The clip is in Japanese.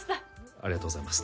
ありがとうございます